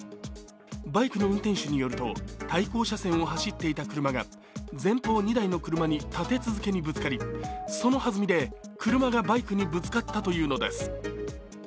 バイクの運転手によると、対向車線を走っていた車が、前方２台の車に立て続けにぶつかり、そのはずみで車がバイクにぶつかったというのです。